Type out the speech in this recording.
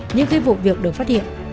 nhưng khi vụ việc được phát hiện